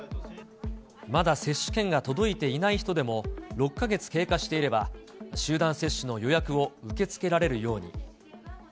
まだ接種券が届いていない人でも、６か月経過していれば、集団接種の予約を受け付けられるように。